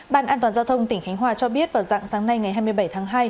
bàn an toàn giao thông tỉnh khánh hòa cho biết vào dạng sáng nay ngày hai mươi bảy tháng hai